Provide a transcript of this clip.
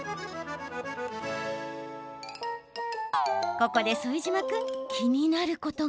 ここで副島君、気になることが。